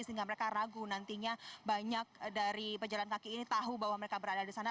sehingga mereka ragu nantinya banyak dari pejalan kaki ini tahu bahwa mereka berada di sana